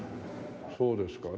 そうですか。